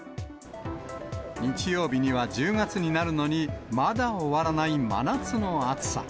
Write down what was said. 日曜日には１０月になるのに、まだ終わらない真夏の暑さ。